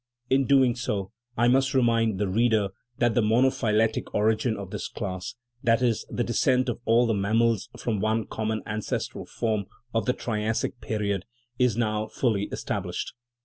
In doing so, I must remind the reader that the monophyletic origin of this class that is, the descent of all the mammals from one common ancestral form (of the Triassic period) is now fully established.